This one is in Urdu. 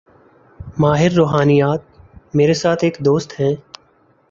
ماہر روحانیات: میرے ساتھ ایک دوست ہیں۔